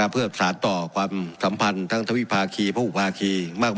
เพื่อตัดสารต่อกว่าสัมพันธ์ทั้งทวีพาคีผู้อุภาคีมากมายนะครับ